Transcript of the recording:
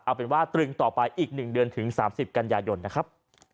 เอาเป็นว่าตรึงต่อไปอีก๑เดือนถึง๓๐กันยายนนะครับ